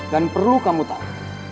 dan perlu kamu tahu